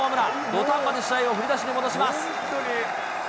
土壇場で試合を振り出しに戻します。